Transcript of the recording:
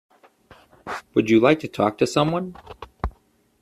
Would you like to talk to someone?